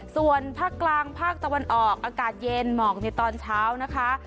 ส่วนภาคกลางภาคตะวันออกอากาศเย็นหมอกในตอนเช้านะคะ